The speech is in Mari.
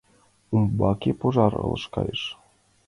Умбакыже пожар ылыж кайыш.